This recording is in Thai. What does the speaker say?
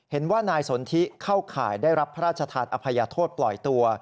เห็นว่านายสนทิเข้าข่ายได้รับพระราชทานอภัยโทษปล่อยตัว